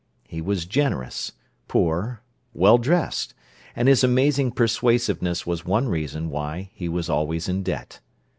He was generous, poor, well dressed, and his amazing persuasiveness was one reason why he was always in debt.